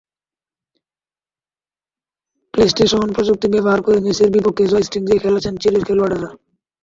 PlayStation প্রযুক্তি ব্যবহার করে মেসির বিপক্ষে জয়স্টিক দিয়ে খেলেছেন চিলির খেলোয়াড়েরা।